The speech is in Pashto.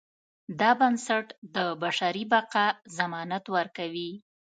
دا بنسټ د بشري بقا ضمانت ورکوي.